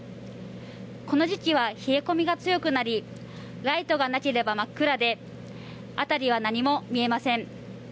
この時期は冷え込みが強くなりライトがなければ真っ暗で辺りは何も見えません。